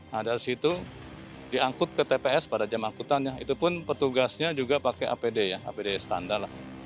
nah dari situ diangkut ke tps pada jam angkutannya itu pun petugasnya juga pakai apd ya apd standar lah